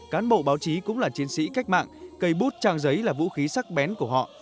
cán bộ báo chí cũng là chiến sĩ cách mạng cây bút trang giấy là vũ khí sắc bén của họ